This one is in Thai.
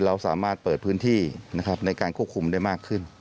เราสามารถเปิดพื้นที่นะครับในการควบคุมได้มากขึ้น